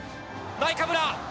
ナイカブラ！